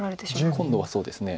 今度はそうですね。